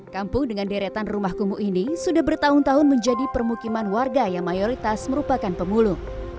kampung dengan deretan rumah kumuh ini sudah bertahun tahun menjadi permukiman warga yang mayoritas merupakan pemulung